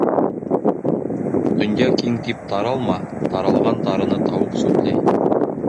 Донья киң тип таралма: таралған тарыны тауыҡ сүпләй.